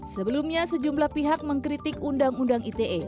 sebelumnya sejumlah pihak mengkritik undang undang ite